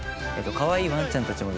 かわいいワンちゃんたちもですね